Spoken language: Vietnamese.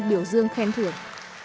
biểu dương khen thưởng